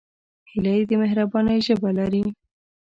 هیلۍ د مهربانۍ ژبه لري